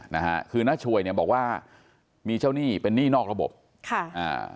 นะฮะคือน้าช่วยเนี่ยบอกว่ามีเจ้าหนี้เป็นหนี้นอกระบบค่ะอ่า